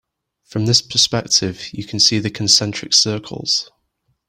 From this perspective you can see the concentric circles.